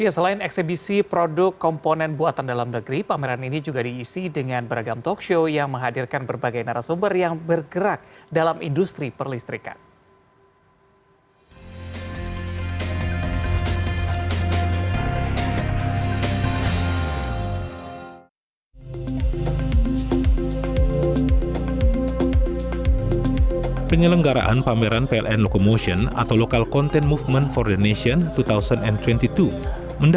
selain eksebisi produk komponen buatan dalam negeri pameran ini juga diisi dengan beragam talk show yang menghadirkan berbagai narasumber yang bergerak dalam industri perlistrikan